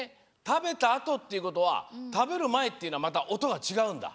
たべたあとっていうことはたべるまえっていうのはまたおとがちがうんだ。